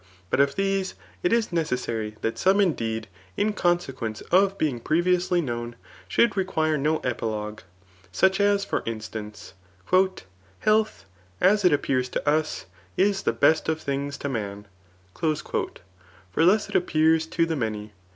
But of these, it is necessary that some indeed, in consequence of being previoudy known, should require no epilogue, such as for instance, ^^ H^tb, as; it appears to us, is the best of thkigs to man." For thus it appears to the tnany.